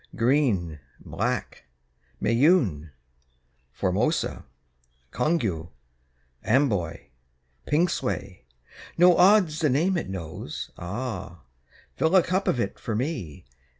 Green, Black, Moyune, Formosa, Congou, Amboy, Pingsuey No odds the name it knows ah! Fill a cup of it for me!